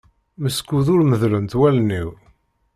Meskud ur medlent wallen-iw.